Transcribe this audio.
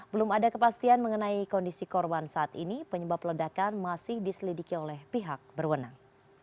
belum ada kepastian mengenai kondisi korban saat ini penyebab ledakan masih diselidiki oleh pihak berwenang